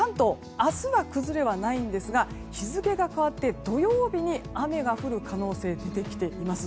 明日は崩れはないんですが日付が変わって土曜日に雨が降る可能性が出てきています。